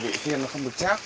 bị phiên nó không được chắc